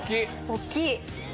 大きい！